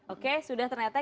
oke sudah ternyata